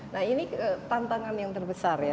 nah ini tantangan yang terbesar ya